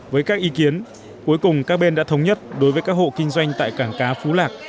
với các ý kiến cuối cùng các bên đã thống nhất đối với các hộ kinh doanh tại cảng cá phú lạc